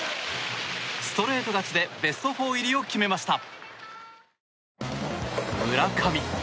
ストレート勝ちでベスト４入りを決めました。